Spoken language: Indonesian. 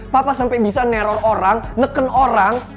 papa sampai bisa nerol orang neken orang